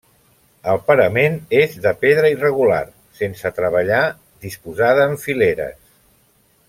El parament és de pedra irregular, sense treballar, disposada en fileres.